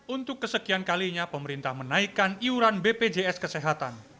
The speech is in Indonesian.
untuk kesekian kalinya pemerintah menaikkan iuran bpjs kesehatan